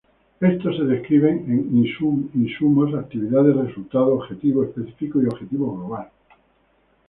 Estos se describen en: insumos, actividades, resultados, objetivo específico y objetivo global.